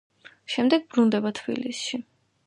შემდეგ ბრუნდება თბილისში.